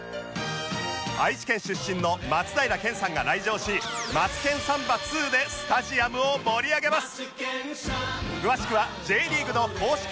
愛知県出身の松平健さんが来場し『マツケンサンバ Ⅱ』でスタジアムを盛り上げます